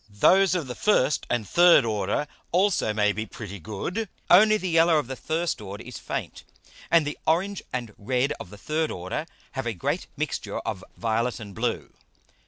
Those of the first and third order also may be pretty good; only the yellow of the first order is faint, and the orange and red of the third Order have a great Mixture of violet and blue.